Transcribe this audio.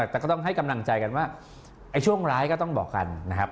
แต่ก็ต้องให้กำลังใจกันว่าช่วงร้ายก็ต้องบอกกันนะครับ